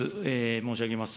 申し上げます。